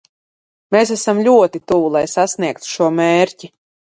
Mēs esam ļoti tuvu, lai sasniegtu šo mērķi.